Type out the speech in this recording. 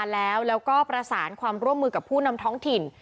แล้วก็ประสารหล่อมือกับผู้นำท้องถิ่น